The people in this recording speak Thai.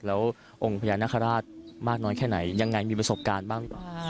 แล้วองค์พญานาคาราชมากน้อยแค่ไหนยังไงมีประสบการณ์บ้างหรือเปล่า